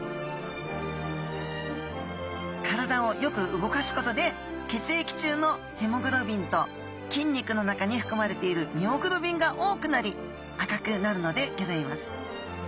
体をよく動かすことで血液中のヘモグロビンと筋肉の中にふくまれているミオグロビンが多くなり赤くなるのでギョざいます。